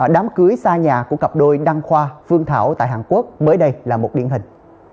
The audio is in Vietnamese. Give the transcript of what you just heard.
đám cưới xa nhà của cặp đôi đăng khoa phương thảo tại hàn quốc mới đây là một điển hình